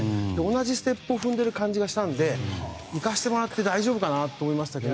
同じステップを踏んだという感じがしたのでいかしてもらって大丈夫かなと思いましたけど。